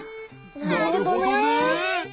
なるほどね。